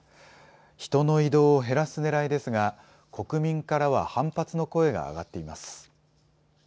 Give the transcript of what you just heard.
人の移動を減らすねらいですが国民からは反発の声が上がっています。